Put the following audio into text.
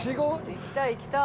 行きたい行きたい。